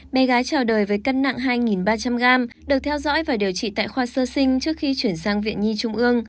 bé gái trào đời với cân nặng hai ba trăm linh gram được theo dõi và điều trị tại khoa sơ sinh trước khi chuyển sang viện nhi trung ương